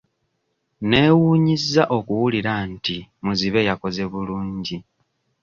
Neewuunyizza okuwulira nti muzibe yakoze bulungi.